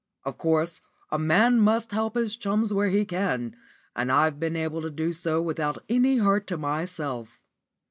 "Of course, a man must help his chums where he can, and I've been able to do so without any hurt to myself.